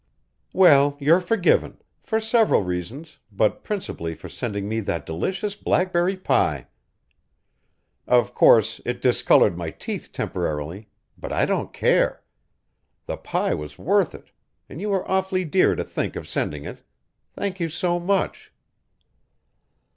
"Well, you're forgiven for several reasons, but principally for sending me that delicious blackberry pie. Of course, it discoloured my teeth temporarily, but I don't care. The pie was worth it, and you were awfully dear to think of sending it. Thank you so much."